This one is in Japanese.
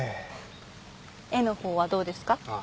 絵のほうはどうですか？